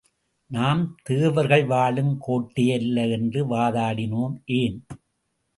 நாம் தேவர்கள் வாழும் கோட்டையல்ல என்று வாதாடினோம் ஏன்?